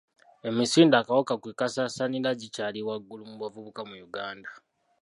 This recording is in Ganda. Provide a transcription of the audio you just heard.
Emisinde akawuka kwe kasaasaanira gikyali waggulu mu bavubuka mu Uganda.